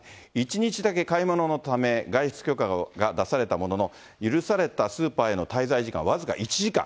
１日だけ買い物のため、外出許可が出されたものの、許されたスーパーへの滞在時間、僅か１時間。